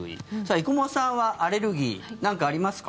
生駒さんはアレルギーなんかありますか？